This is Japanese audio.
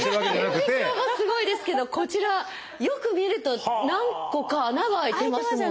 顕微鏡もすごいですけどこちらよく見ると何個か穴が開いてますもんね。